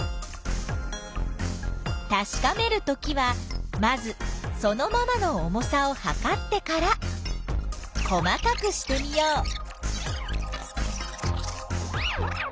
たしかめるときはまずそのままの重さをはかってから細かくしてみよう！